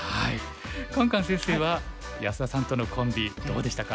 カンカン先生は安田さんとのコンビどうでしたか？